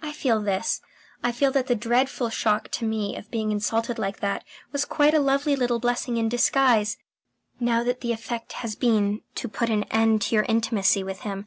I feel this: I feel that the dreadful shock to me of being insulted like that was quite a lovely little blessing in disguise, now that the effect has been to put an end to your intimacy with him.